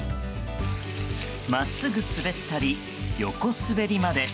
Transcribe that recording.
真っすぐ滑ったり横滑りまで。